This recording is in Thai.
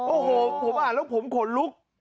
โอ้โหผมอ่านแล้วผมขนลุก